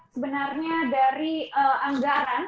sebenarnya dari anggaran